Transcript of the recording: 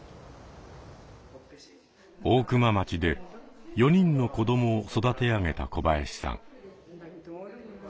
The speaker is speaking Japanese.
大熊町で４人の子どもを育て上げた小林さん。